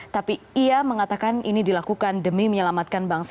tapi ia mengatakan ini dilakukan demi menyelamatkan bangsa